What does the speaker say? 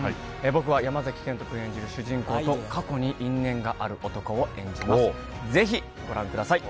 僕は山賢人君演じる主人公と過去に因縁がある男を演じますぜひご覧ください